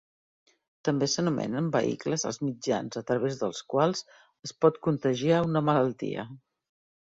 També s'anomenen vehicles els mitjans a través dels quals es pot contagiar una malaltia.